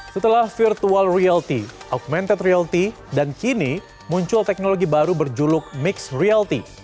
setelah virtual reality augmented reality dan kini muncul teknologi baru berjuluk mixed reality